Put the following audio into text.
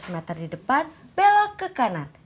seratus meter di depan belok ke kanan